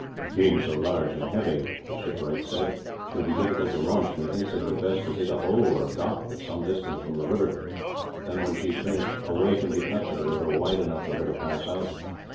"Being so large and heavy," the shipwright said, "she will be difficult to launch. Methinks it were best to dig a hole or dock at some little distance from the river; then when she is finished a way can be cut to the river wide enough for her to pass out.